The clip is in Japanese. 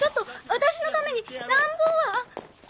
私のために乱暴は。